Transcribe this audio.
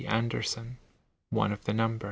ANDERSON, ONE OF 1HE NUMBER.